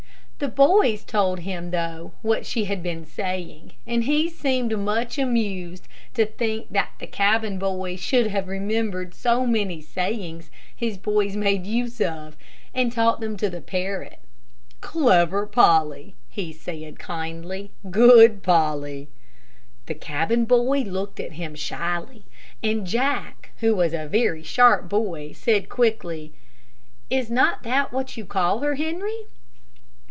The boys told him though what she had been saying, and he seemed much amused to think that the cabin boy should have remembered so many sayings his boys made use of, and taught them to the parrot. "Clever Polly," he said, kindly; "good Polly." The cabin boy looked at him shyly, and Jack, who was a very sharp boy, said quickly, "Is not that what you call her, Henry?"